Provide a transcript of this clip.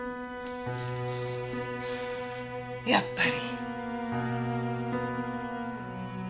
やっぱり。